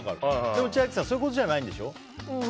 でも千秋さん、そういうことじゃないんでしょ？